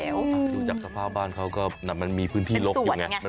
ดูจากสภาพบ้านเขาก็มันมีพื้นที่ลบอยู่ไง